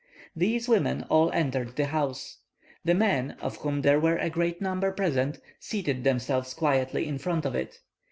These women all entered the house. The men, of whom there were a great number present, seated themselves quietly in front of it.